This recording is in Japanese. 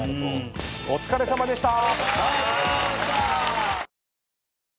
お疲れさまでした。